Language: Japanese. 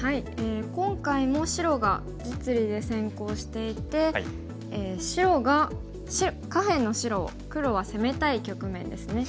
今回も白が実利で先行していて下辺の白を黒は攻めたい局面ですね。